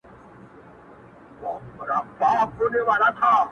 وایي میرمنې یې ورته ویلي و